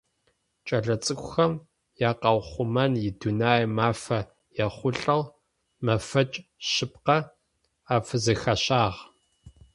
Кӏэлэцӏыкӏухэм якъэухъумэн и Дунэе мафэ ехъулӏэу мэфэкӏ шъыпкъэ афызэхащагъ.